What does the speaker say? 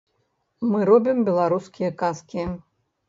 Мы робім беларускія казкі.